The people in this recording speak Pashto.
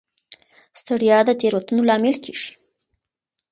ستړیا د تېروتنو لامل کېږي.